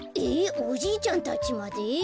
えっおじいちゃんたちまで？